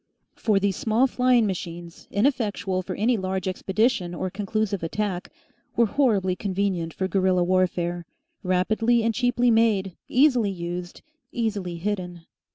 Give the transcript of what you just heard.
For these small flying machines, ineffectual for any large expedition or conclusive attack, were horribly convenient for guerilla warfare, rapidly and cheaply made, easily used, easily hidden.